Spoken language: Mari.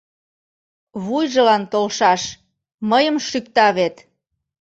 — Вуйжылан толшаш, мыйым шӱкта вет!